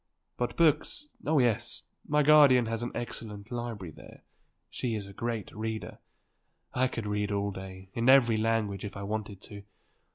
But books; oh yes; my guardian has an excellent library there; she is a great reader; I could read all day, in every language, if I wanted to.